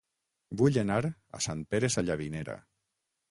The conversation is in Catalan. Vull anar a Sant Pere Sallavinera